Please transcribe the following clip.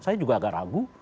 saya juga agak ragu